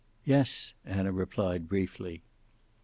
"Yes," Anna replied briefly.